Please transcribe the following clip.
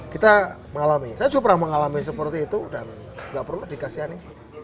kita mengalami saya juga pernah mengalami seperti itu dan nggak perlu dikasihani